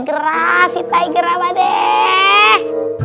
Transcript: gerasi tiger amadeh